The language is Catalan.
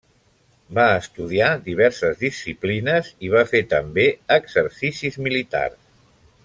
Va estudiar diverses disciplines i va fer també exercicis militars.